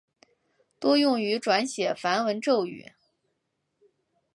多用于转写梵文咒语。